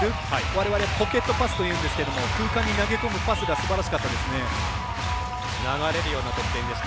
われわれポケットパスというんですが空間に投げ込むパスがすばらしかったですね。